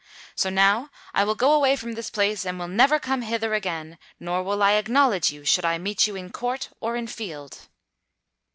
So now I will go away from this place and will never come hither again; nor will I acknowledge you should I meet you in court or in field."